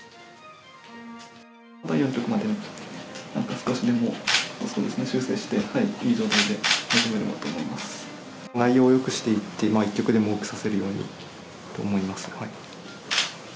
第４局までに少しでも修正して、内容をよくしていって、１局でも多く指せるようにと思います。